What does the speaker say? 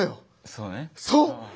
そう！